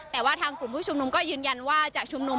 แต่ว่าทางกลุ่มผู้ชุมนุมก็ยืนยันว่าจะชุมนุม